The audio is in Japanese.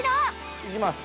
◆行きます。